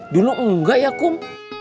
dulu enggak ya kum